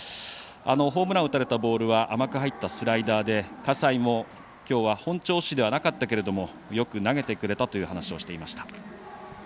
ホームランを打たれたボールは甘く入ったスライダーで葛西も、きょうは本調子ではなかったけれどもよく投げてくれたという話をしていました。